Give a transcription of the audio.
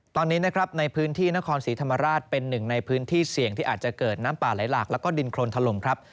ตอนนี้นะครับในพื้นที่นครศรีธรรมราชเป็นหนึ่งในพื้นที่เสี่ยงที่อาจจะเกิดน้ำป่าไหลหลากแล้วก็ดินโครนถล่มครับ